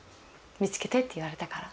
「見つけて」って言われたから。